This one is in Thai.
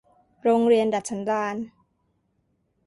โรงเรียนดัดสันดาน